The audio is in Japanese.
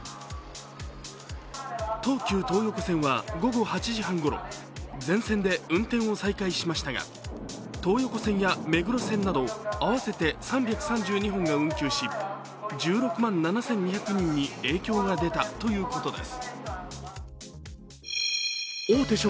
東急東横線は午後８時半ごろ、全線で運転を再開しましたが、東横線や目黒線など合わせて３３２本が運休し１６万７２００人に影響が出たということです。